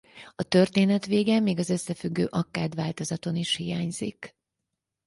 A történet vége még az összefüggő akkád változaton is hiányzik.